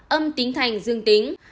âm tính thành dương tính